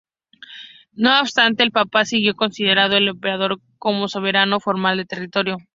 No obstante, el papa siguió considerando al emperador como soberano formal del territorio.